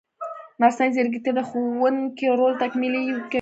مصنوعي ځیرکتیا د ښوونکي رول تکمیلي کوي.